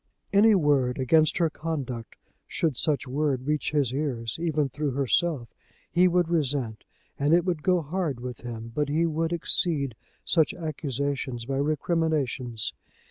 Any word against her conduct, should such word reach his ears even through herself, he would resent, and it would go hard with him, but he would exceed such accusations by recriminations.